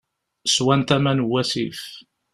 Swant aman n wasif.